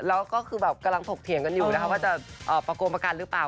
แล้วก็คือแบบกำลังถกเถียงกันอยู่นะคะว่าจะประโกงประกันหรือเปล่า